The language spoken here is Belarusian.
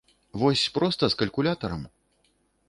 Вось проста, з калькулятарам?